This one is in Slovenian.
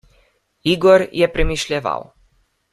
Igor je premišljeval.